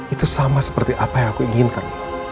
itu sama seperti apa yang aku inginkan